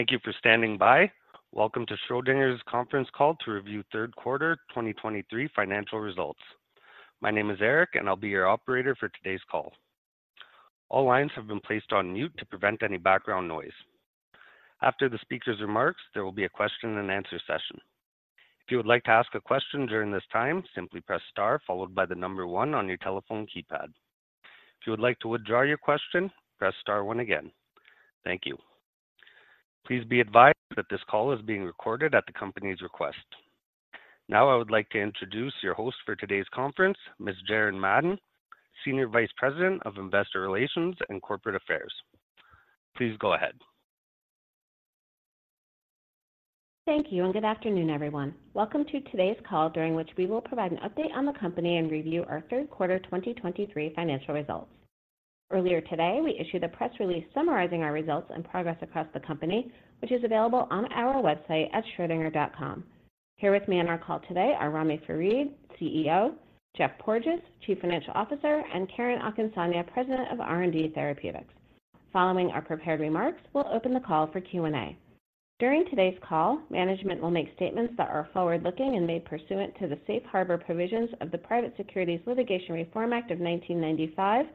Thank you for standing by. Welcome to Schrödinger's Conference Call to review Q3 2023 Financial Results. My name is Eric, and I'll be your operator for today's call. All lines have been placed on mute to prevent any background noise. After the speaker's remarks, there will be a question and answer session. If you would like to ask a question during this time, simply press star followed by the number one on your telephone keypad. If you would like to withdraw your question, press star one again. Thank you. Please be advised that this call is being recorded at the company's request. Now, I would like to introduce your host for today's conference, Ms. Jaren Madden, Senior Vice President of Investor Relations and Corporate Affairs. Please go ahead. Thank you, and good afternoon, everyone. Welcome to today's call, during which we will provide an update on the company and review our Q3 2023 Financial Results. Earlier today, we issued a press release summarizing our results and progress across the company, which is available on our website at schrodinger.com. Here with me on our call today are Ramy Farid, CEO; Geoffrey Porges, Chief Financial Officer; and Karen Akinsanya, President of R&D Therapeutics. Following our prepared remarks, we'll open the call for Q&A. During today's call, management will make statements that are forward-looking and made pursuant to the Safe Harbor provisions of the Private Securities Litigation Reform Act of 1995,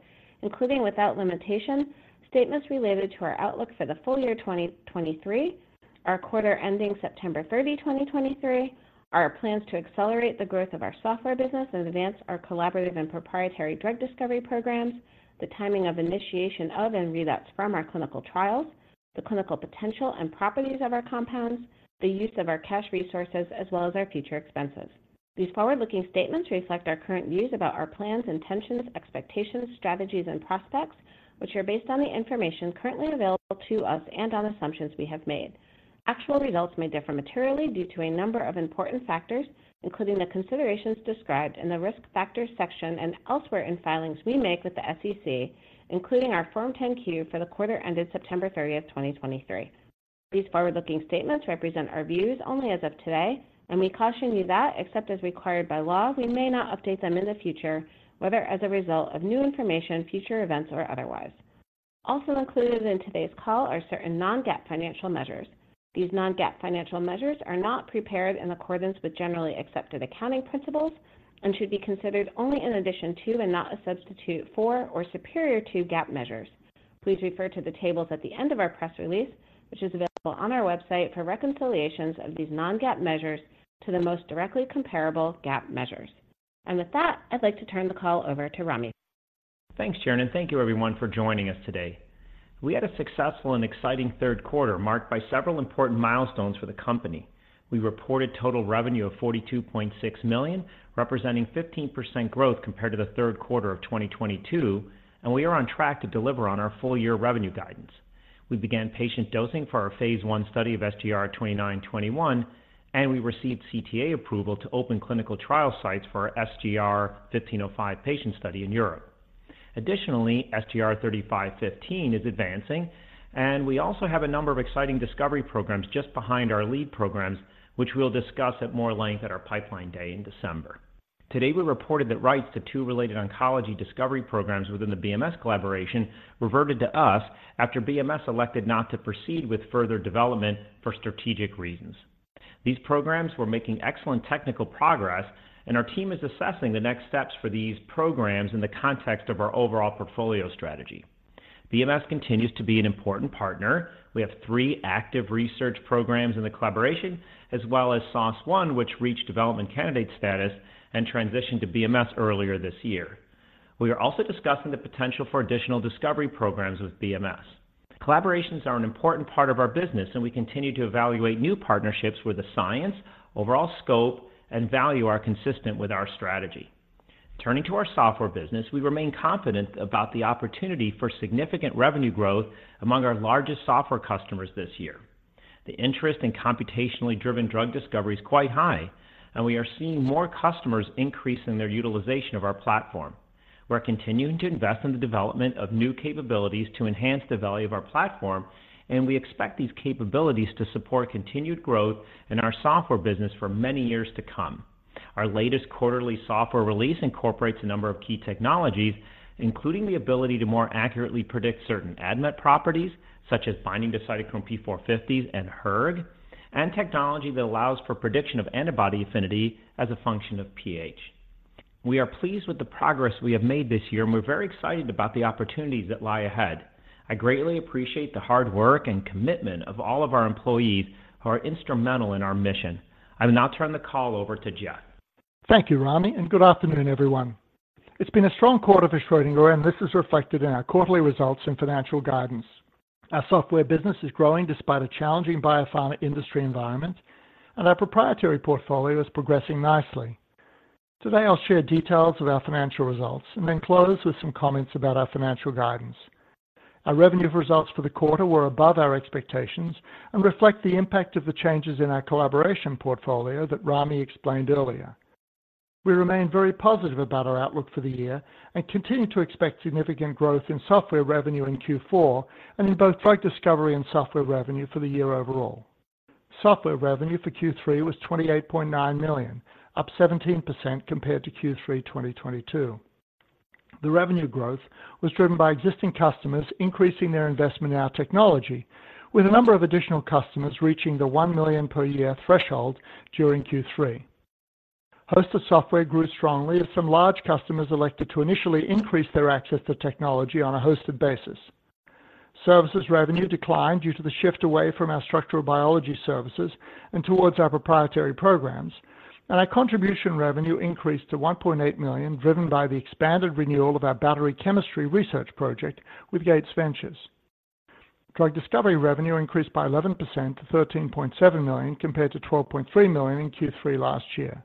including, without limitation, statements related to our outlook for the full year 2023, our quarter ending September 30, 2023, our plans to accelerate the growth of our software business and advance our collaborative and proprietary drug discovery programs, the timing of initiation of and readouts from our clinical trials, the clinical potential and properties of our compounds, the use of our cash resources, as well as our future expenses. These forward-looking statements reflect our current views about our plans, intentions, expectations, strategies, and prospects, which are based on the information currently available to us and on assumptions we have made. Actual results may differ materially due to a number of important factors, including the considerations described in the Risk Factors section and elsewhere in filings we make with the SEC, including our Form 10-Q for the quarter ended September 30th, 2023. These forward-looking statements represent our views only as of today, and we caution you that, except as required by law, we may not update them in the future, whether as a result of new information, future events, or otherwise. Also included in today's call are certain non-GAAP financial measures. These non-GAAP financial measures are not prepared in accordance with generally accepted accounting principles and should be considered only in addition to and not a substitute for or superior to GAAP measures. Please refer to the tables at the end of our press release, which is available on our website, for reconciliations of these non-GAAP measures to the most directly comparable GAAP measures. With that, I'd like to turn the call over to Ramy. Thanks, Jaren, and thank you everyone for joining us today. We had a successful and exciting, marked by several important milestones for the company. We reported total revenue of $42.6 million, representing 15% growth compared to the Q3 of 2022, and we are on track to deliver on our full-year revenue guidance. We began patient dosing for our phase I study of SGR-2921, and we received CTA approval to open clinical trial sites for our SGR-1505 patient study in Europe. Additionally, SGR-3515 is advancing, and we also have a number of exciting discovery programs just behind our lead programs, which we'll discuss at more length at our Pipeline Day in December. Today, we reported that rights to two related oncology discovery programs within the BMS collaboration reverted to us after BMS elected not to proceed with further development for strategic reasons. These programs were making excellent technical progress, and our team is assessing the next steps for these programs in the context of our overall portfolio strategy. BMS continues to be an important partner. We have three active research programs in the collaboration, as well as SOS1, which reached development candidate status and transitioned to BMS earlier this year. We are also discussing the potential for additional discovery programs with BMS. Collaborations are an important part of our business, and we continue to evaluate new partnerships where the science, overall scope, and value are consistent with our strategy. Turning to our software business, we remain confident about the opportunity for significant revenue growth among our largest software customers this year. The interest in computationally driven drug discovery is quite high, and we are seeing more customers increasing their utilization of our platform. We're continuing to invest in the development of new capabilities to enhance the value of our platform, and we expect these capabilities to support continued growth in our software business for many years to come. Our latest quarterly software release incorporates a number of key technologies, including the ability to more accurately predict certain ADMET properties, such as binding to cytochrome P450 and hERG, and technology that allows for prediction of antibody affinity as a function of pH. We are pleased with the progress we have made this year, and we're very excited about the opportunities that lie ahead. I greatly appreciate the hard work and commitment of all of our employees who are instrumental in our mission. I will now turn the call over to Geoff. Thank you, Ramy, and good afternoon, everyone. It's been a strong quarter for Schrödinger, and this is reflected in our quarterly results and financial guidance. Our software business is growing despite a challenging biopharma industry environment, and our proprietary portfolio is progressing nicely. Today, I'll share details of our financial results and then close with some comments about our financial guidance. Our revenue results for the quarter were above our expectations and reflect the impact of the changes in our collaboration portfolio that Ramy explained earlier. We remain very positive about our outlook for the year and continue to expect significant growth in software revenue in Q4 and in both drug discovery and software revenue for the year overall. Software revenue for Q3 was $28.9 million, up 17% compared to Q3 2022. The revenue growth was driven by existing customers increasing their investment in our technology, with a number of additional customers reaching the $1 million per year threshold during Q3. Hosted software grew strongly as some large customers elected to initially increase their access to technology on a hosted basis. Services revenue declined due to the shift away from our structural biology services and towards our proprietary programs, and our contribution revenue increased to $1.8 million, driven by the expanded renewal of our battery chemistry research project with Gates Ventures. Drug discovery revenue increased by 11% to $13.7 million, compared to $12.3 million in Q3 last year.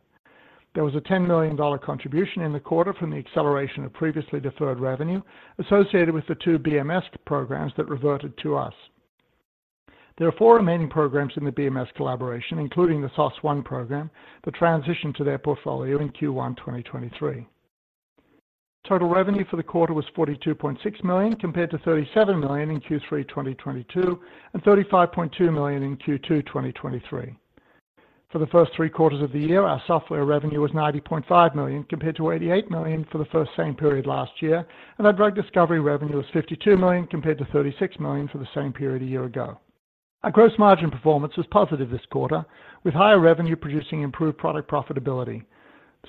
There was a $10 million contribution in the quarter from the acceleration of previously deferred revenue associated with the two BMS programs that reverted to us. There are four remaining programs in the BMS collaboration, including the SOS1 program, that transitioned to their portfolio in Q1 2023. Total revenue for the quarter was $42.6 million, compared to $37 million in Q3 2022, and $35.2 million in Q2 2023. For the first three quarters of the year, our software revenue was $90.5 million, compared to $88 million for the first same period last year, and our drug discovery revenue was $52 million, compared to $36 million for the same period a year ago. Our gross margin performance was positive this quarter, with higher revenue producing improved product profitability.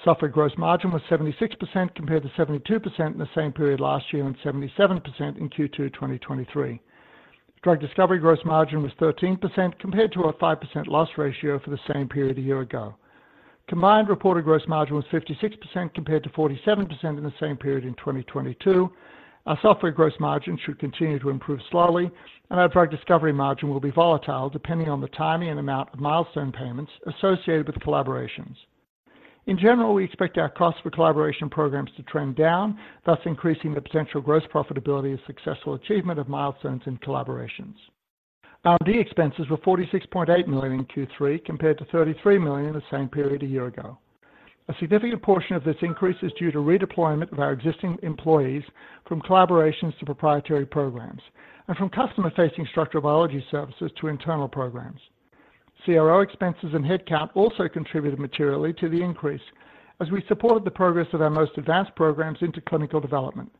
Software gross margin was 76%, compared to 72% in the same period last year, and 77% in Q2 2023. Drug discovery gross margin was 13%, compared to a 5% loss ratio for the same period a year ago. Combined reported gross margin was 56%, compared to 47% in the same period in 2022. Our software gross margin should continue to improve slowly, and our drug discovery margin will be volatile, depending on the timing and amount of milestone payments associated with collaborations. In general, we expect our costs for collaboration programs to trend down, thus increasing the potential gross profitability of successful achievement of milestones in collaborations. R&D expenses were $46.8 million in Q3, compared to $33 million in the same period a year ago. A significant portion of this increase is due to redeployment of our existing employees from collaborations to proprietary programs and from customer-facing structural biology services to internal programs. CRO expenses and headcount also contributed materially to the increase as we supported the progress of our most advanced programs into clinical development.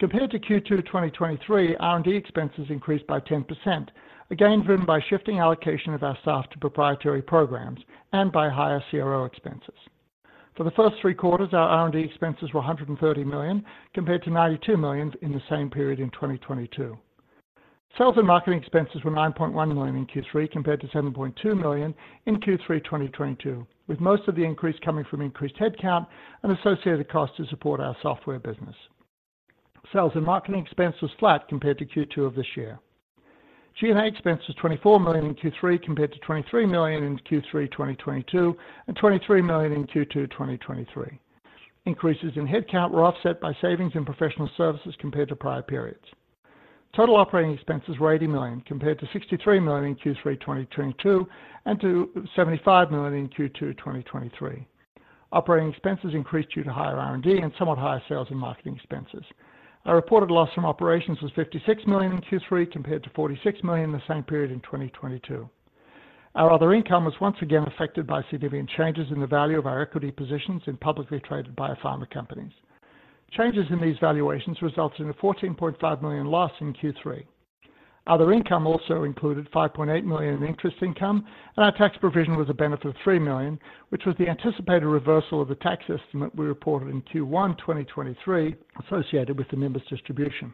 Compared to Q2 2023, R&D expenses increased by 10%, again, driven by shifting allocation of our staff to proprietary programs and by higher CRO expenses. For the first three quarters, our R&D expenses were $130 million, compared to $92 million in the same period in 2022. Sales and marketing expenses were $9.1 million in Q3, compared to $7.2 million in Q3 2022, with most of the increase coming from increased headcount and associated costs to support our software business. Sales and marketing expense was flat compared to Q2 of this year. G&A expenses, $24 million in Q3, compared to $23 million in Q3 2022, and $23 million in Q2 2023. Increases in headcount were offset by savings in professional services compared to prior periods. Total operating expenses were $80 million, compared to $63 million in Q3, 2022, and to $75 million in Q2, 2023. Operating expenses increased due to higher R&D and somewhat higher sales and marketing expenses. Our reported loss from operations was $56 million in Q3, compared to $46 million in the same period in 2022. Our other income was once again affected by significant changes in the value of our equity positions in publicly traded biopharma companies. Changes in these valuations resulted in a $14.5 million loss in Q3. Other income also included $5.8 million in interest income, and our tax provision was a benefit of $3 million, which was the anticipated reversal of the tax estimate we reported in Q1, 2023, associated with the Nimbus distribution.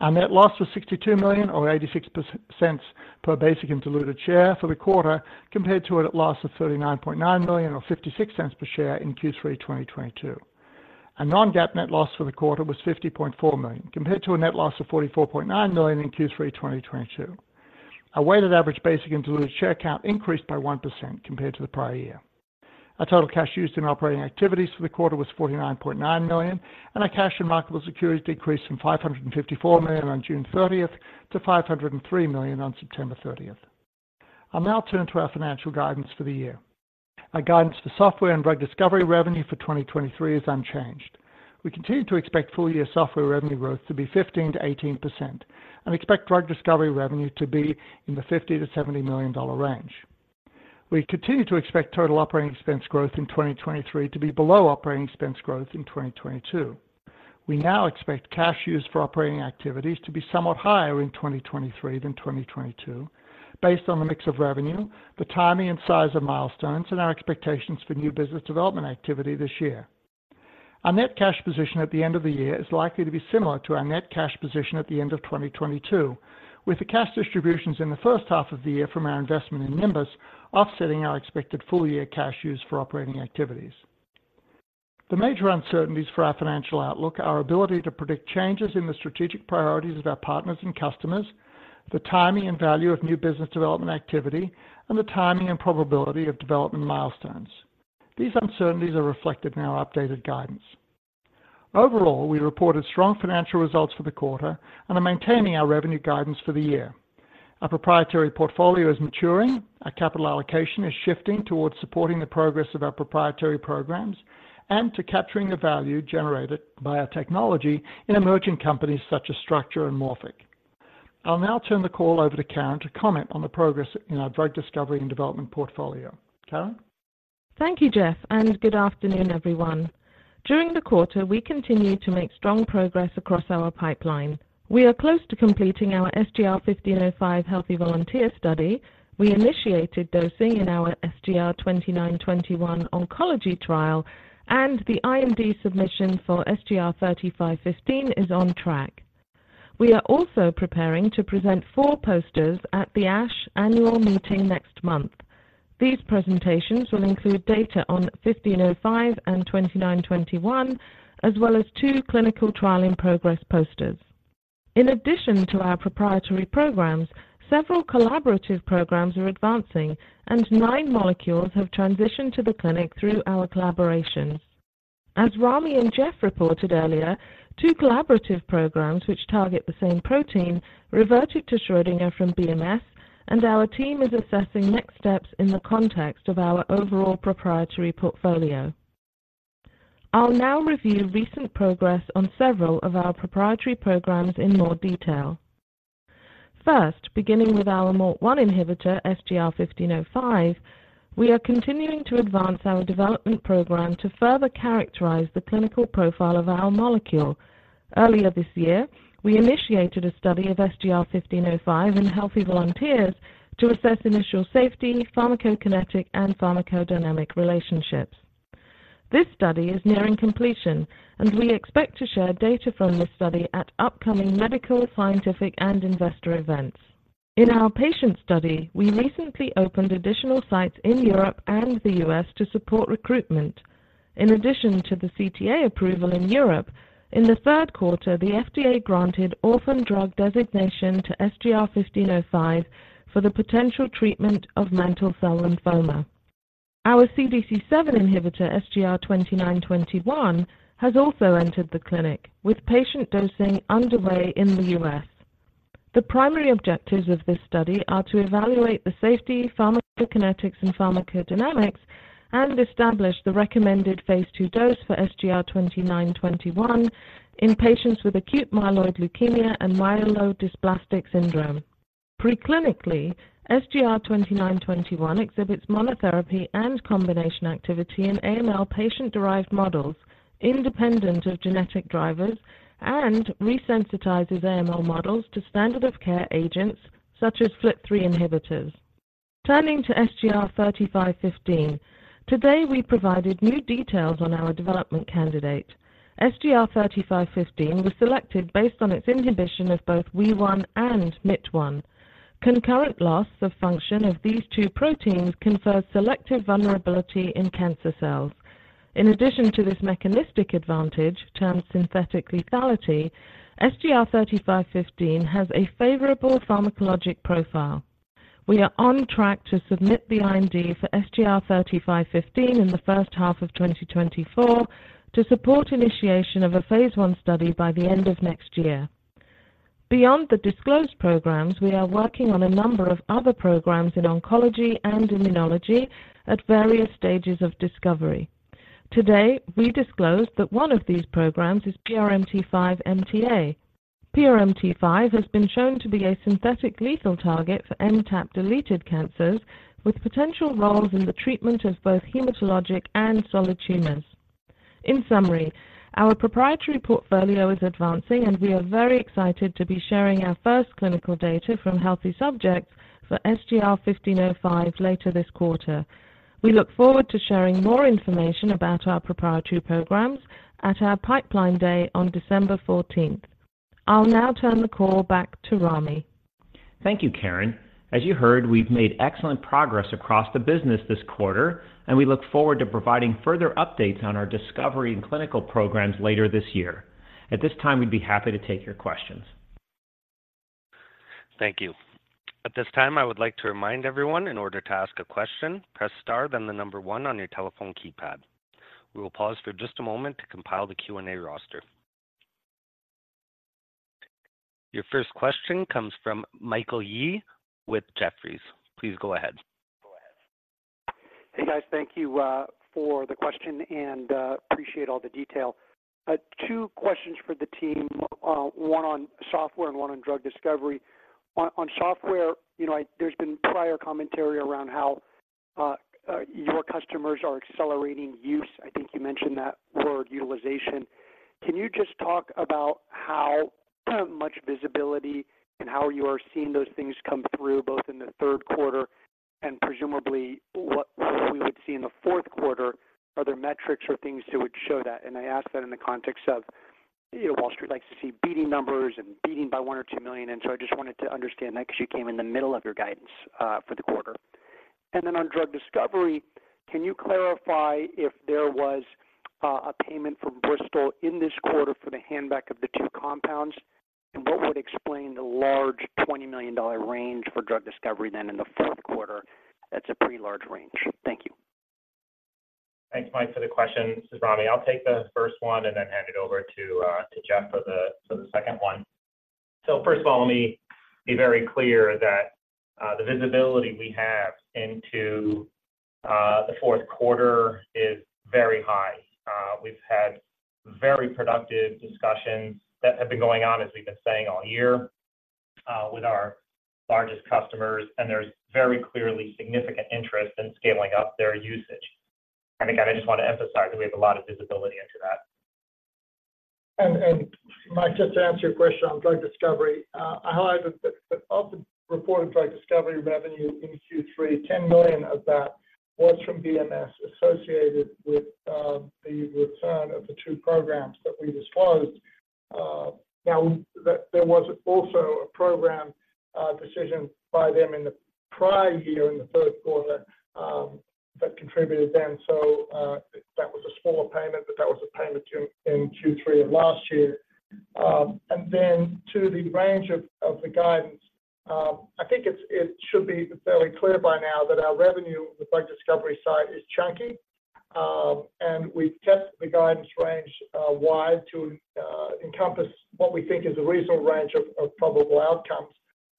Our net loss was $62 million, or $0.86 per basic and diluted share for the quarter, compared to a net loss of $39.9 million, or $0.56 per share in Q3 2022. Our non-GAAP net loss for the quarter was $50.4 million, compared to a net loss of $44.9 million in Q3 2022. Our weighted average basic and diluted share count increased by 1% compared to the prior year. Our total cash used in operating activities for the quarter was $49.9 million, and our cash and marketable securities decreased from $554 million on June 30 to $503 million on September 30. I'll now turn to our financial guidance for the year. Our guidance for software and drug discovery revenue for 2023 is unchanged. We continue to expect full-year software revenue growth to be 15%-18% and expect drug discovery revenue to be in the $50 million-$70 million range. We continue to expect total operating expense growth in 2023 to be below operating expense growth in 2022. We now expect cash used for operating activities to be somewhat higher in 2023 than 2022, based on the mix of revenue, the timing and size of milestones, and our expectations for new business development activity this year. Our net cash position at the end of the year is likely to be similar to our net cash position at the end of 2022, with the cash distributions in the H1 of the year from our investment in Nimbus offsetting our expected full-year cash used for operating activities. The major uncertainties for our financial outlook are our ability to predict changes in the strategic priorities of our partners and customers, the timing and value of new business development activity, and the timing and probability of development milestones. These uncertainties are reflected in our updated guidance. Overall, we reported strong financial results for the quarter and are maintaining our revenue guidance for the year. Our proprietary portfolio is maturing, our capital allocation is shifting towards supporting the progress of our proprietary programs and to capturing the value generated by our technology in emerging companies such as Structure and Morphic. I'll now turn the call over to Karen to comment on the progress in our drug discovery and development portfolio. Karen? Thank you, Geoff, and good afternoon, everyone. During the quarter, we continued to make strong progress across our pipeline. We are close to completing our SGR-1505 healthy volunteer study. We initiated dosing in our SGR-2921 oncology trial, and the IND submission for SGR-3515 is on track. We are also preparing to present four posters at the ASH annual meeting next month. These presentations will include data on 1505 and 2921, as well as 2 clinical trial in progress posters. In addition to our proprietary programs, several collaborative programs are advancing, and 9 molecules have transitioned to the clinic through our collaborations. As Ramy and Geoff reported earlier, two collaborative programs, which target the same protein, reverted to Schrödinger from BMS, and our team is assessing next steps in the context of our overall proprietary portfolio. I'll now review recent progress on several of our proprietary programs in more detail. First, beginning with our MALT1 inhibitor, SGR-1505, we are continuing to advance our development program to further characterize the clinical profile of our molecule. Earlier this year, we initiated a study of SGR-1505 in healthy volunteers to assess initial safety, pharmacokinetic, and pharmacodynamic relationships. This study is nearing completion, and we expect to share data from this study at upcoming medical, scientific, and investor events. In our patient study, we recently opened additional sites in Europe and the U.S. to support recruitment. In addition to the CTA approval in Europe, in the Q3, the FDA granted orphan drug designation to SGR-1505 for the potential treatment of mantle cell lymphoma. Our CDC7 inhibitor, SGR-2921, has also entered the clinic, with patient dosing underway in the U.S. The primary objectives of this study are to evaluate the safety, pharmacokinetics, and pharmacodynamics, and establish the recommended phase II dose for SGR-2921 in patients with acute myeloid leukemia and myelodysplastic syndrome. Preclinically, SGR-2921 exhibits monotherapy and combination activity in AML patient-derived models independent of genetic drivers and resensitizes AML models to standard of care agents such as FLT3 inhibitors. Turning to SGR-3515. Today, we provided new details on our development candidate. SGR-3515 was selected based on its inhibition of both Wee1 and Myt1. Concurrent loss of function of these two proteins confers selective vulnerability in cancer cells. In addition to this mechanistic advantage, termed synthetic lethality, SGR-3515 has a favorable pharmacologic profile. We are on track to submit the IND for SGR-3515 in the H1 of 2024 to support initiation of a phase I study by the end of next year. Beyond the disclosed programs, we are working on a number of other programs in oncology and immunology at various stages of discovery. Today, we disclosed that one of these programs is PRMT5 MTA. PRMT5 has been shown to be a synthetic lethal target for MTAP-deleted cancers, with potential roles in the treatment of both hematologic and solid tumors. In summary, our proprietary portfolio is advancing, and we are very excited to be sharing our first clinical data from healthy subjects for SGR-1505 later this quarter. We look forward to sharing more information about our proprietary programs at our Pipeline Day on December 14th. I'll now turn the call back to Ramy. Thank you, Karen. As you heard, we've made excellent progress across the business this quarter, and we look forward to providing further updates on our discovery and clinical programs later this year. At this time, we'd be happy to take your questions. Thank you. At this time, I would like to remind everyone, in order to ask a question, press star, then the number one on your telephone keypad. We will pause for just a moment to compile the Q&A roster. Your first question comes from Michael Yee with Jefferies. Please go ahead. Hey, guys. Thank you for the question, and appreciate all the detail. Two questions for the team, one on software and one on drug discovery. On software, you know, there's been prior commentary around how your customers are accelerating use. I think you mentioned that word, utilization. Can you just talk about how much visibility and how you are seeing those things come through, both in the Q3 and presumably what we would see in the Q4? Are there metrics or things that would show that? And I ask that in the context of, you know, Wall Street likes to see beating numbers and beating by $1-2 million, and so I just wanted to understand that because you came in the middle of your guidance for the quarter. Then on drug discovery, can you clarify if there was a payment from Bristol in this quarter for the handback of the two compounds? And what would explain the large $20 million range for drug discovery then in the Q4? That's a pretty large range. Thank you. Thanks, Mike, for the question. This is Ramy. I'll take the first one and then hand it over to Geoff for the second one. So first of all, let me be very clear that the visibility we have into the Q4 is very high. We've had very productive discussions that have been going on, as we've been saying all year, with our largest customers, and there's very clearly significant interest in scaling up their usage. Again, I just want to emphasize that we have a lot of visibility into that. And Mike, just to answer your question on drug discovery, I highlighted that of the reported drug discovery revenue in Q3, $10 million of that was from BMS, associated with the return of the two programs that we disclosed. Now, that there was also a program decision by them in the prior year, in the Q3, that contributed then. So, that was a smaller payment, but that was a payment in Q3 of last year. And then to the range of the guidance, I think it should be fairly clear by now that our revenue with drug discovery side is chunky. And we set the guidance range wide to encompass what we think is a reasonable range of probable outcomes.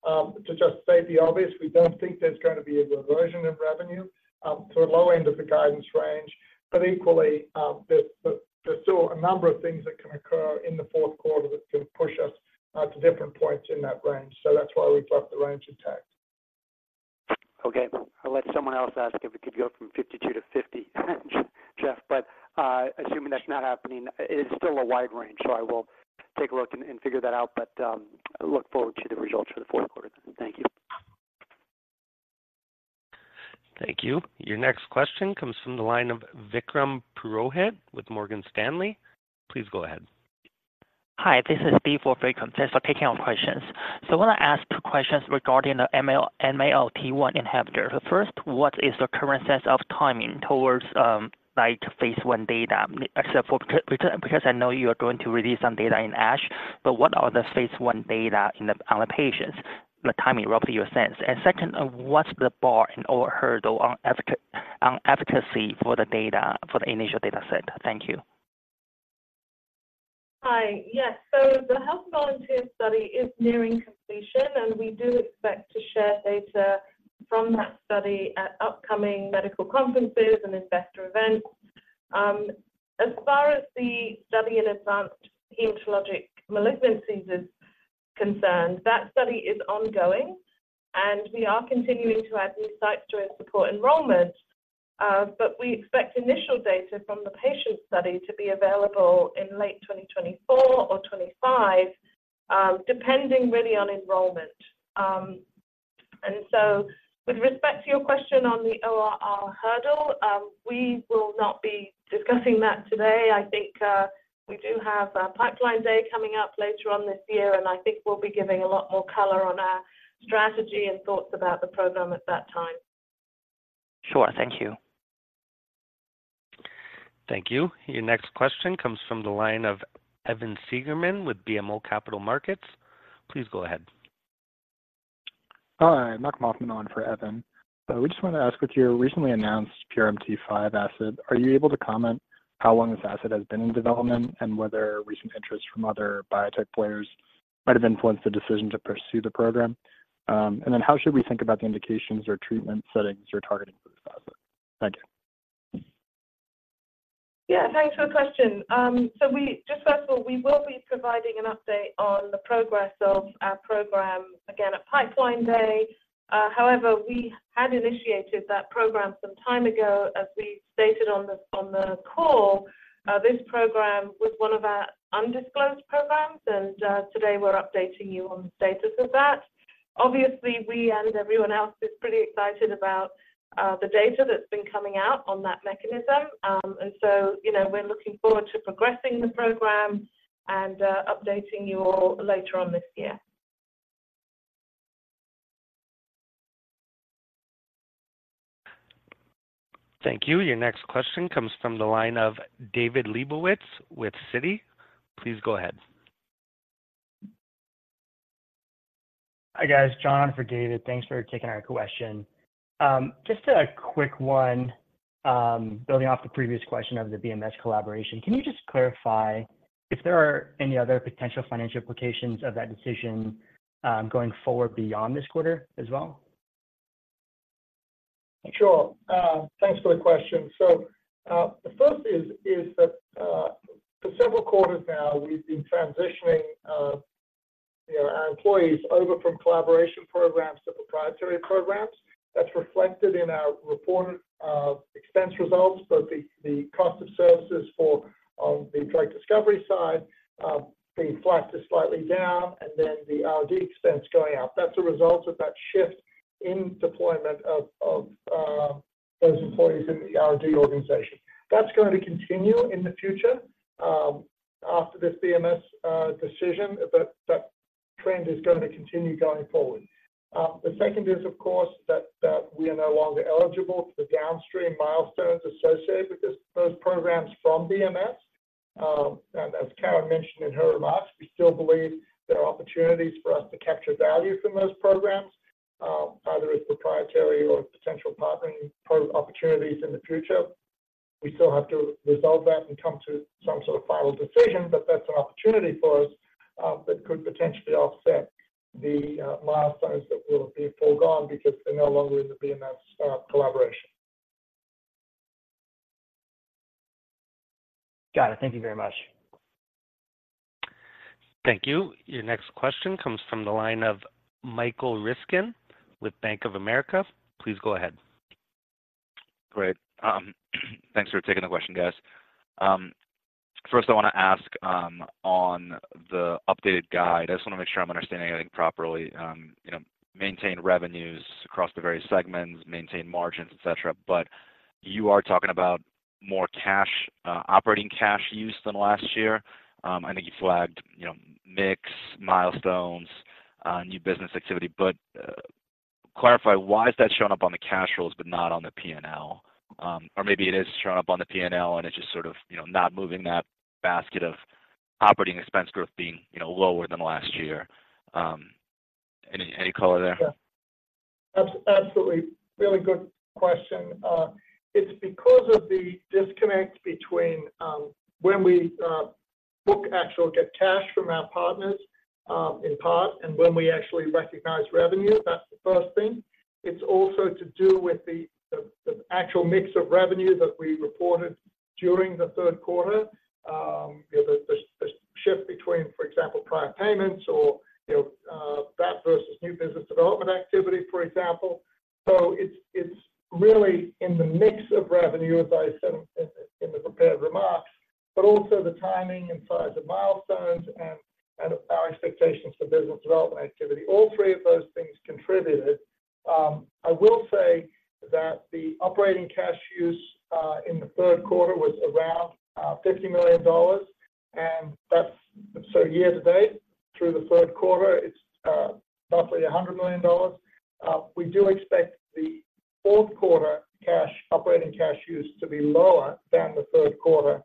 To just state the obvious, we don't think there's gonna be a reversion in revenue to the low end of the guidance range. But equally, there's still a number of things that can occur in the Q4 that can push us to different points in that range. So that's why we've left the range intact. Okay. I'll let someone else ask if it could go from 52 to 50, Geoff. But, assuming that's not happening, it is still a wide range, so I will take a look and figure that out. But, I look forward to the results for the Q4. Thank you. Thank you. Your next question comes from the line of Vikram Purohit with Morgan Stanley. Please go ahead. Hi, this is V for Vikram. Thanks for taking our questions. So I want to ask two questions regarding the MALT1 inhibitor. First, what is the current sense of timing towards phase I data? Except for... Because I know you are going to release some data in ASH, but what are the phase I data in the on the patients, the timing roughly, your sense? And second, what's the bar and or hurdle on advocacy for the data, for the initial data set? Thank you. Hi. Yes. So the health volunteer study is nearing completion, and we do expect to share data from that study at upcoming medical conferences and investor events. As far as the study in advanced hematologic malignancies is concerned, that study is ongoing, and we are continuing to add new sites to support enrollment. But we expect initial data from the patient study to be available in late 2024 or 2025, depending really on enrollment. And so with respect to your question on the ORR hurdle, we will not be discussing that today. I think, we do have a pipeline day coming up later on this year, and I think we'll be giving a lot more color on our strategy and thoughts about the program at that time. Sure. Thank you. Thank you. Your next question comes from the line of Evan Seigerman with BMO Capital Markets. Please go ahead. Hi, Mark Moskowitz on for Evan. So we just wanted to ask, with your recently announced PRMT5 asset, are you able to comment how long this asset has been in development and whether recent interest from other biotech players might have influenced the decision to pursue the program? And then how should we think about the indications or treatment settings you're targeting for this asset? Thank you. Yeah, thanks for the question. So we just first of all will be providing an update on the progress of our program again at Pipeline Day. However, we had initiated that program some time ago, as we stated on the call. This program was one of our undisclosed programs, and today we're updating you on the status of that. Obviously, we and everyone else is pretty excited about the data that's been coming out on that mechanism. And so, you know, we're looking forward to progressing the program and updating you all later on this year. Thank you. Your next question comes from the line of David Lebowitz with Citi. Please go ahead. Hi, guys, John for David. Thanks for taking our question. Just a quick one, building off the previous question of the BMS collaboration. Can you just clarify if there are any other potential financial implications of that decision, going forward beyond this quarter as well? Sure. Thanks for the question. So, the first is that, for several quarters now, we've been transitioning, you know, our employees over from collaboration programs to proprietary programs. That's reflected in our reported expense results. Both the cost of services for the drug discovery side being flat to slightly down, and then the R&D expense going up. That's a result of that shift in deployment of those employees in the R&D organization. That's going to continue in the future, after this BMS decision, but that trend is going to continue going forward. The second is, of course, that we are no longer eligible for the downstream milestones associated with those programs from BMS. And as Karen mentioned in her remarks, we still believe there are opportunities for us to capture value from those programs, either as proprietary or potential partnering opportunities in the future. We still have to resolve that and come to some sort of final decision, but that's an opportunity for us that could potentially offset the milestones that will be foregone because they're no longer in the BMS collaboration. Got it. Thank you very much. Thank you. Your next question comes from the line of Michael Ryskin with Bank of America. Please go ahead. Great. Thanks for taking the question, guys. First, I wanna ask, on the updated guide, I just wanna make sure I'm understanding everything properly. You know, maintain revenues across the various segments, maintain margins, et cetera, but you are talking about more cash, operating cash use than last year. I think you flagged, you know, mix, milestones, new business activity. But, clarify why is that showing up on the cash flows, but not on the P&L? Or maybe it is showing up on the P&L, and it's just sort of, you know, not moving that basket of operating expense growth being, you know, lower than last year. Any, any color there? Yeah. Absolutely. Really good question. It's because of the disconnect between, when we book actual cash from our partners, in part, and when we actually recognize revenue. That's the first thing. It's also to do with the actual mix of revenue that we reported during the Q3. You know, the shift between, for example, prior payments or, you know, that versus new business development activity, for example. So it's really in the mix of revenue, as I said in the prepared remarks, but also the timing and size of milestones and our expectations for business development activity. All three of those things contributed. I will say that the operating cash use in the Q3 was around $50 million, and so year to date, through the Q3, it's roughly $100 million. We do expect the Q4 cash operating cash use to be lower than the Q3,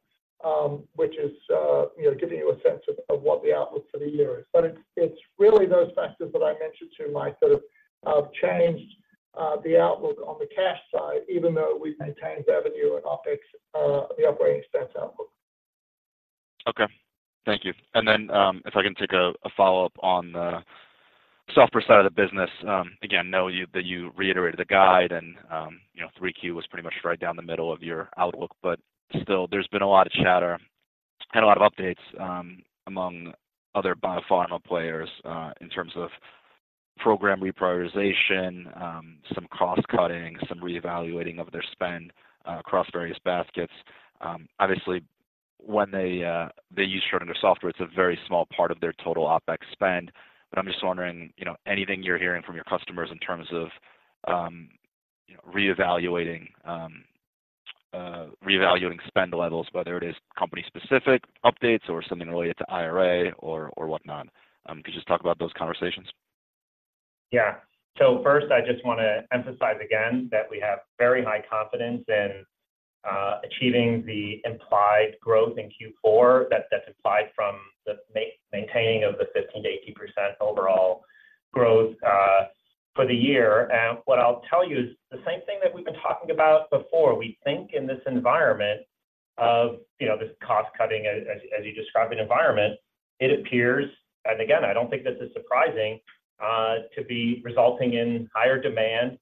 which is, you know, giving you a sense of what the outlook for the year is. But it's really those factors that I mentioned to Mike that have changed the outlook on the cash side, even though we've maintained revenue and OpEx, the operating expense outlook. Okay. Thank you. And then, if I can take a follow-up on the software side of the business. Again, you know that you reiterated the guide and, you know, 3Q was pretty much right down the middle of your outlook, but still, there's been a lot of chatter and a lot of updates, among other biopharma players, in terms of program reprioritization, some cost-cutting, some reevaluating of their spend, across various baskets. Obviously, when they use Schrödinger software, it's a very small part of their total OpEx spend. But I'm just wondering, you know, anything you're hearing from your customers in terms of reevaluating spend levels, whether it is company-specific updates or something related to IRA or whatnot. Could you just talk about those conversations? Yeah. So first, I just wanna emphasize again that we have very high confidence in achieving the implied growth in Q4, that's implied from the maintaining of the 15%-18% overall growth for the year. And what I'll tell you is the same thing that we've been talking about before. We think in this environment of, you know, this cost-cutting, as you described, an environment, it appears, and again, I don't think this is surprising, to be resulting in higher demand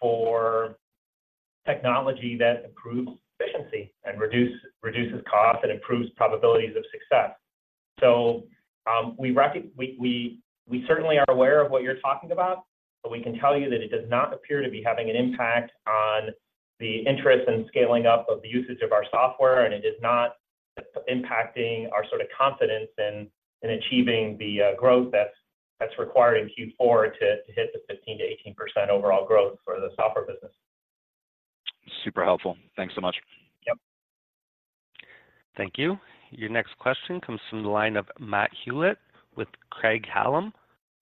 for technology that improves efficiency and reduces cost and improves probabilities of success. So, we rec.... We certainly are aware of what you're talking about, but we can tell you that it does not appear to be having an impact on the interest in scaling up of the usage of our software, and it is not impacting our sort of confidence in achieving the growth that's required in Q4 to hit the 15%-18% overall growth for the software business. Super helpful. Thanks so much. Yep. Thank you. Your next question comes from the line of Matt Hewitt with Craig-Hallum.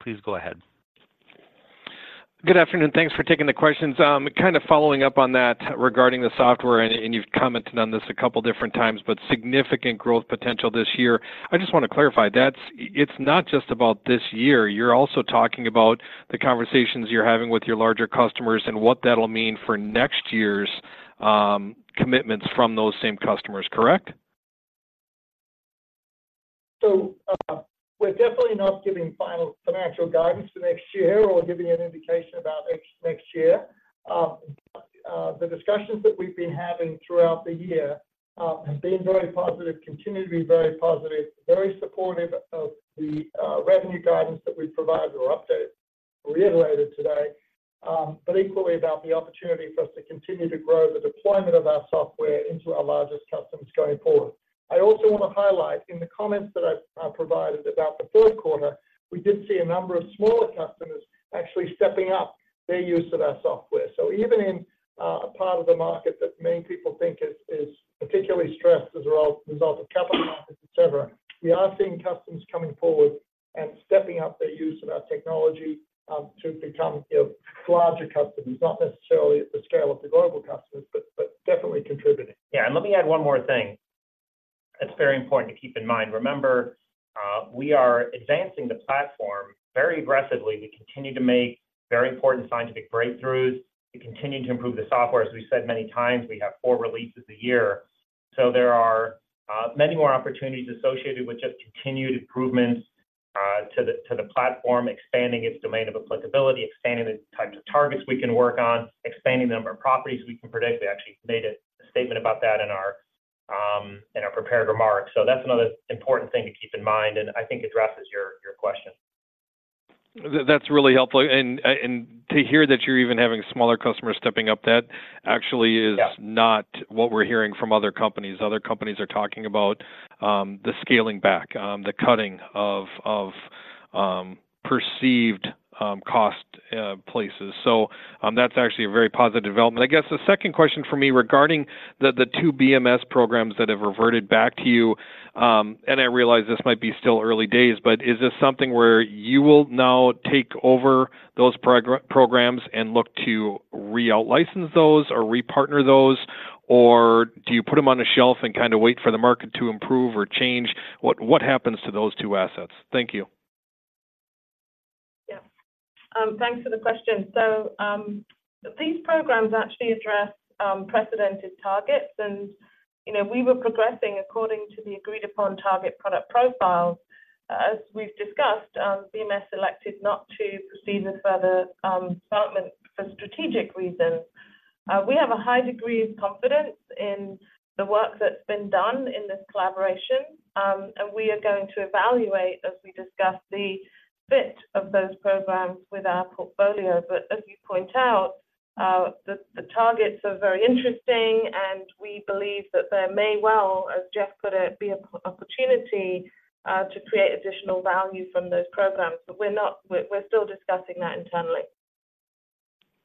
Please go ahead. Good afternoon. Thanks for taking the questions. Kind of following up on that regarding the software, and, and you've commented on this a couple different times, but significant growth potential this year. I just want to clarify, that's- it's not just about this year, you're also talking about the conversations you're having with your larger customers and what that'll mean for next year's commitments from those same customers, correct? So, we're definitely not giving final financial guidance to next year or giving an indication about next, next year. The discussions that we've been having throughout the year have been very positive, continue to be very positive, very supportive of the revenue guidance that we provided or updated, reiterated today, but equally about the opportunity for us to continue to grow the deployment of our software into our largest customers going forward. I also want to highlight in the comments that I've provided about the Q3, we did see a number of smaller customers actually stepping up their use of our software. So even in a part of the market that many people think is particularly stressed as a result of capital markets, et cetera, we are seeing customers coming forward and stepping up their use of our technology to become, you know, larger customers. Not necessarily at the scale of the global customers, but definitely contributing. Yeah, and let me add one more thing. It's very important to keep in mind. Remember, we are advancing the platform very aggressively. We continue to make very important scientific breakthroughs. We continue to improve the software. As we've said many times, we have four releases a year, so there are, many more opportunities associated with just continued improvements, to the, to the platform, expanding its domain of applicability, expanding the types of targets we can work on, expanding the number of properties we can predict. We actually made a statement about that in our, in our prepared remarks. So that's another important thing to keep in mind, and I think addresses your, your question. That's really helpful. And to hear that you're even having smaller customers stepping up, that actually is- Yeah -not what we're hearing from other companies. Other companies are talking about the scaling back, the cutting of perceived cost places. So, that's actually a very positive development. I guess the second question for me regarding the two BMS programs that have reverted back to you, and I realize this might be still early days, but is this something where you will now take over those programs and look to re-outlicense those or repartner those? Or do you put them on a shelf and kind of wait for the market to improve or change? What happens to those two assets? Thank you. Yeah. Thanks for the question. So, these programs actually address precedented targets, and, you know, we were progressing according to the agreed-upon target product profiles. As we've discussed, BMS elected not to proceed with further development for strategic reasons. We have a high degree of confidence in the work that's been done in this collaboration, and we are going to evaluate, as we discuss, the fit of those programs with our portfolio. But as you point out, the targets are very interesting, and we believe that there may well, as Geoff put it, be a opportunity to create additional value from those programs. But we're not. We're still discussing that internally.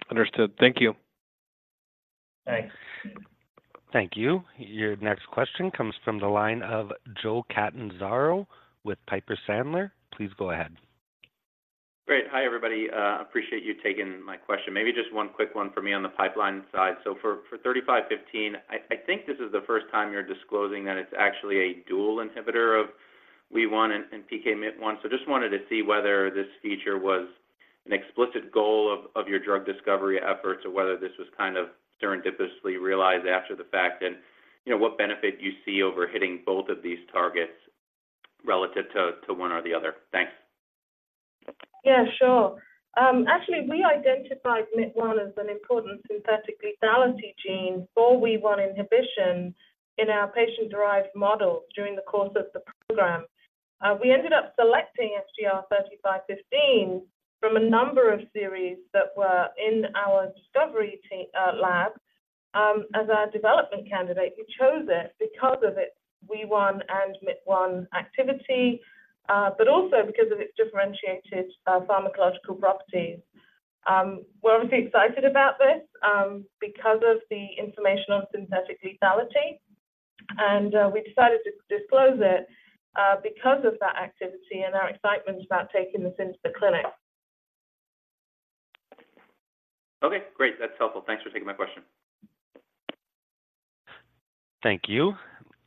Understood. Thank you. Thanks. Thank you. Your next question comes from the line of Joe Catanzaro with Piper Sandler. Please go ahead. Great. Hi, everybody. Appreciate you taking my question. Maybe just one quick one for me on the pipeline side. So for 3515, I think this is the first time you're disclosing that it's actually a dual inhibitor of Wee1 and Myt1. Just wanted to see whether this feature was an explicit goal of your drug discovery efforts or whether this was kind of serendipitously realized after the fact. You know, what benefit do you see over hitting both of these targets relative to one or the other? Thanks. Yeah, sure. Actually, we identified Myt1 as an important synthetic lethality gene for Wee1 inhibition in our patient-derived models during the course of the program. We ended up selecting SGR-3515 from a number of series that were in our discovery lab as our development candidate. We chose it because of its Wee1 and Myt1 activity, but also because of its differentiated pharmacological properties. We're obviously excited about this because of the information on synthetic lethality, and we decided to disclose it because of that activity and our excitement about taking this into the clinic. Okay, great. That's helpful. Thanks for taking my question. Thank you.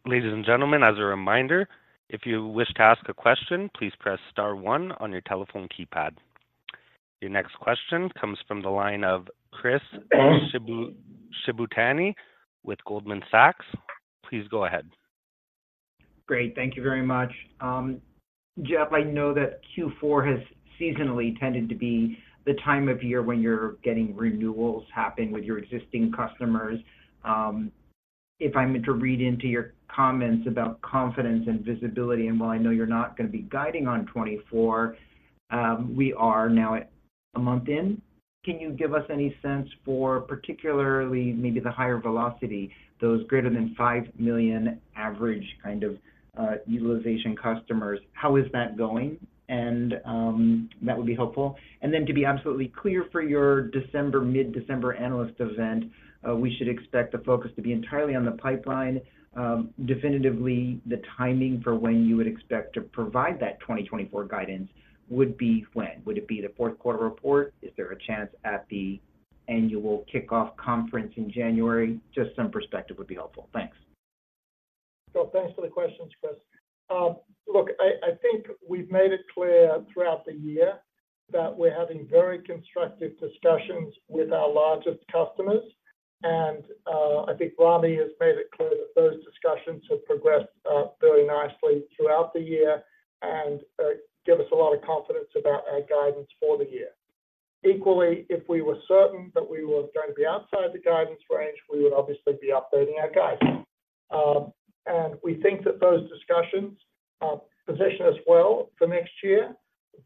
Ladies and gentlemen, as a reminder, if you wish to ask a question, please press star one on your telephone keypad. Your next question comes from the line of Chris Shibutani with Goldman Sachs. Please go ahead. Great. Thank you very much. Geoff, I know that Q4 has seasonally tended to be the time of year when you're getting renewals happen with your existing customers. If I'm to read into your comments about confidence and visibility, and while I know you're not gonna be guiding on 2024, we are now a month in, can you give us any sense for particularly maybe the higher velocity, those greater than $5 million average kind of utilization customers? How is that going? And that would be helpful. And then to be absolutely clear, for your December, mid-December analyst event, we should expect the focus to be entirely on the pipeline. Definitively, the timing for when you would expect to provide that 2024 guidance would be when? Would it be the Q4 report? Is there a chance at the annual kickoff conference in January? Just some perspective would be helpful. Thanks. Thanks for the questions, Chris. Look, I think we've made it clear throughout the year that we're having very constructive discussions with our largest customers, and I think Ramy has made it clear that those discussions have progressed very nicely throughout the year and give us a lot of confidence about our guidance for the year. Equally, if we were certain that we were going to be outside the guidance range, we would obviously be updating our guidance. We think that those discussions position us well for next year,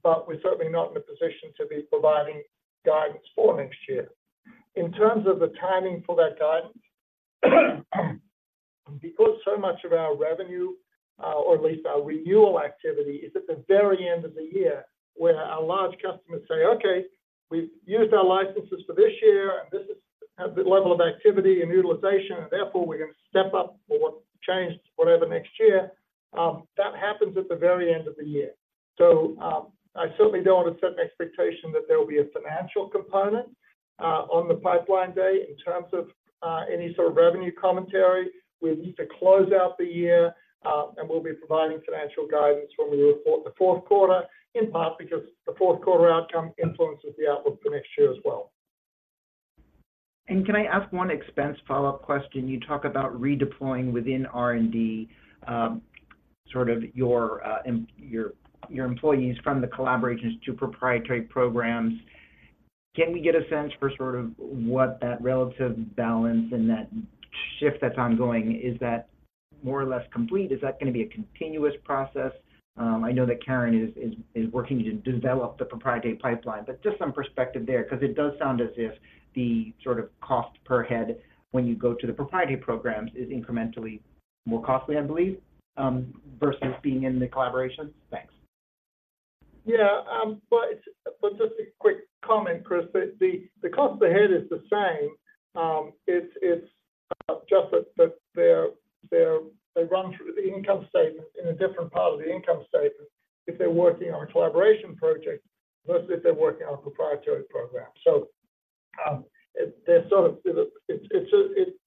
but we're certainly not in a position to be providing guidance for next year. In terms of the timing for that guidance, because so much of our revenue, or at least our renewal activity, is at the very end of the year, where our large customers say, Okay, we've used our licenses for this year, and this is the level of activity and utilization, and therefore we're going to step up or change whatever next year, that happens at the very end of the year. So, I certainly don't want to set an expectation that there will be a financial component on the pipeline day, in terms of any sort of revenue commentary, we need to close out the year, and we'll be providing financial guidance when we report the Q4, in part because the Q4 outcome influences the outlook for next year as well. Can I ask one expense follow-up question? You talk about redeploying within R&D, sort of your employees from the collaborations to proprietary programs. Can we get a sense for sort of what that relative balance and that shift that's ongoing, is that more or less complete? Is that gonna be a continuous process? I know that Karen is working to develop the proprietary pipeline, but just some perspective there, 'cause it does sound as if the sort of cost per head when you go to the proprietary programs is incrementally more costly, I believe, versus being in the collaborations. Thanks. Yeah, but just a quick comment, Chris. The cost per head is the same. It's just that they run through the income statement in a different part of the income statement. If they're working on a collaboration project versus if they're working on a proprietary program. So, to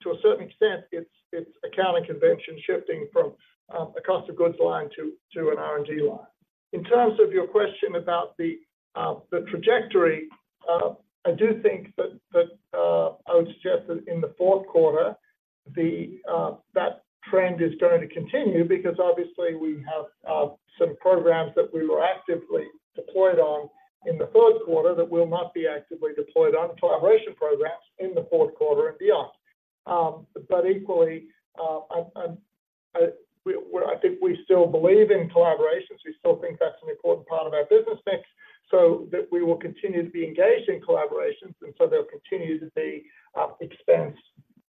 a certain extent, it's accounting convention shifting from a cost of goods line to an R&D line. In terms of your question about the trajectory, I do think that I would suggest that in the Q4, that trend is going to continue because obviously we have some programs that we were actively deployed on in the Q3 that we'll not be actively deployed on collaboration programs in the Q4 and beyond. But equally, I think we still believe in collaborations. We still think that's an important part of our business mix, so that we will continue to be engaged in collaborations, and so there'll continue to be expense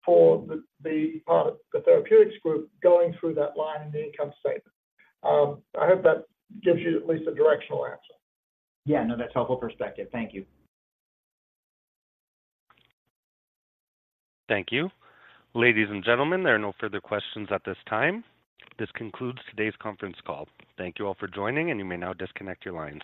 for the therapeutics group going through that line in the income statement. I hope that gives you at least a directional answer. Yeah, no, that's helpful perspective. Thank you. Thank you. Ladies and gentlemen, there are no further questions at this time. This concludes today's conference call. Thank you all for joining, and you may now disconnect your lines.